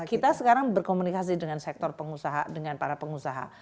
kita sekarang berkomunikasi dengan sektor pengusaha dengan para pengusaha